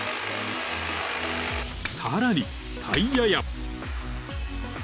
［さらにタイヤや］